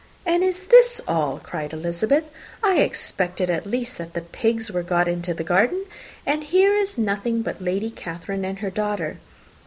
"And is this all?" cried Elizabeth. "I expected at least that the pigs were got into the garden, and here is nothing but Lady Catherine and her daughter!"